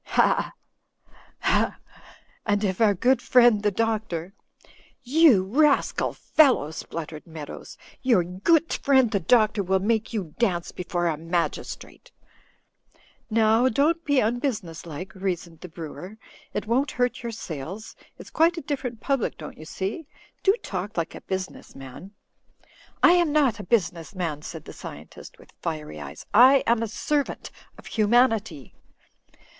Ha ! ha ! And if our good friend, the Doctor —" "You rascal fellow!" spluttered Meadows, "your goot friend the doctor will make you dance before a magistrate." "Now, don't be unbusinesslike," reasoned the brew er. "It won't hurt your sales. It's quite a different public, don't you see? Do talk like a business man." Digitized by CjOOQ IC 242 THE FLYING INN "I am not a business man," said the scientist, with fiery eyes, "I am a servant of humanity."